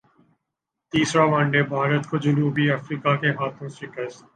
تیسرا one day Bharat کو جنوبی افریقا کے ہاتھوں شکست